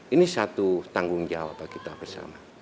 ini satu tanggung jawab bagi kita bersama